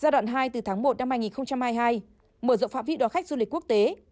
giai đoạn hai từ tháng một năm hai nghìn hai mươi hai mở rộng phạm vi đoàn khách du lịch quốc tế